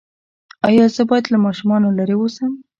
ایا زه باید له ماشومانو لرې اوسم؟